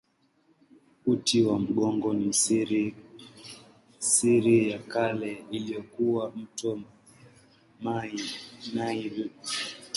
Uti wa mgongo wa Misri ya Kale ulikuwa mto Naili.